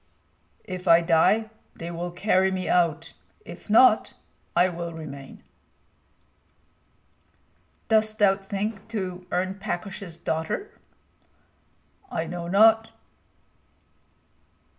"If I die, they will carry me out; if not, I will remain." "Dost thou think to earn Pakosh's daughter?" "I know not."